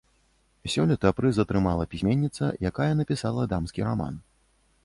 Сёлета прыз атрымала пісьменніца, якая напісала дамскі раман.